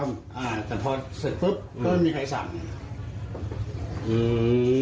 อ่าแต่พอเสร็จปุ๊บก็ไม่มีใครสั่งไงอืม